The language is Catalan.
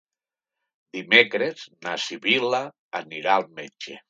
Dimecres na Sibil·la anirà al metge.